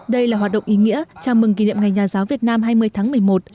đây là hoạt động ý nghĩa chào mừng kỷ niệm ngày nhà giáo việt nam hai mươi tháng một mươi một